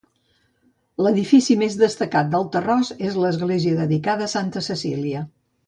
L'edifici més destacat del Tarròs és l'església, dedicada a santa Cecília.